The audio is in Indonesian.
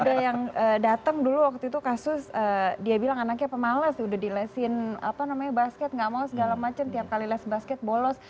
jadi ada yang datang dulu waktu itu kasus dia bilang anaknya pemalas udah di lesin apa namanya basket nggak mau segala macem tiap kali les basket bolos